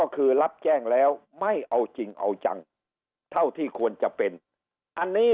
คือรับแจ้งแล้วไม่เอาจริงเอาจังเท่าที่ควรจะเป็นอันนี้